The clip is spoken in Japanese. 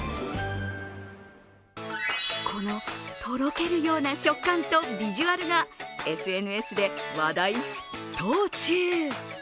このとろけるような食感とビジュアルがＳＮＳで話題沸騰中。